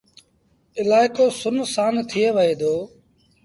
الآئيڪو سُن سآݩ ٿئي وهي دو۔